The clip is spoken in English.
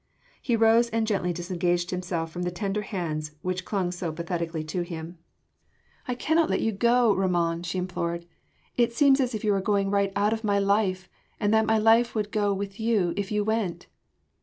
He rose and gently disengaged himself from the tender hands which clung so pathetically to him. "I can’t let you go, Ramon," she implored, "it seems as if you were going right out of my life and that my life would go with you if you went."